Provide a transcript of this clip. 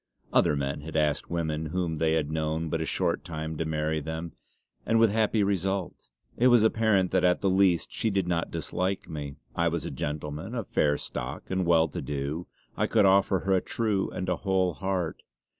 Other men had asked women whom they had known but a short time to marry them; and with happy result. It was apparent that at the least she did not dislike me. I was a gentleman, of fair stock, and well to do; I could offer her a true and a whole heart.